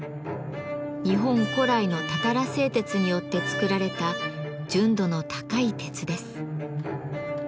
日本古来のたたら製鉄によって作られた純度の高い鉄です。